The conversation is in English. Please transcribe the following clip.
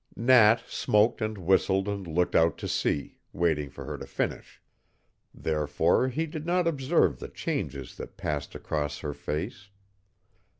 Nat smoked and whistled and looked out to sea, waiting for her to finish. Therefore he did not observe the changes that passed across her face.